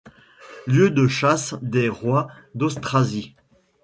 Lieu de chasse des rois d'Austrasie.